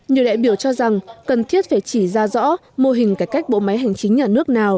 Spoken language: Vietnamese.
nhiều đại biểu cho rằng cần thiết phải chỉ ra rõ mô hình cải cách bộ máy hành chính nhà nước nào